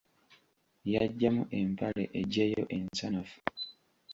Yaggyamu empale eggyeyo ensanafu.